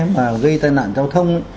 mà gây ra tai nạn giao thông